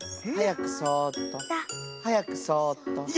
はやくそっとはやくそっと。